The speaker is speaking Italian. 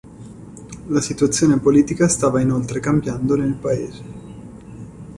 La situazione politica stava inoltre cambiando nel paese.